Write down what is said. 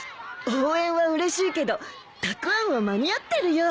応援はうれしいけどたくあんは間に合ってるよ。